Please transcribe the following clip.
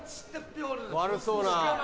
悪そうな。